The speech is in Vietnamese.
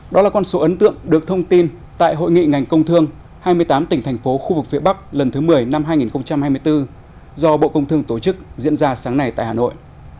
đó là con số ấn tượng được thông tin tại hội nghị ngành công thương hai mươi tám tỉnh thành phố khu vực phía bắc lần thứ một mươi năm hai nghìn hai mươi bốn do bộ công thương tổ chức diễn ra sáng nay tại hà nội